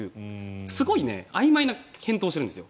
すごいあいまいな検討をしているんです。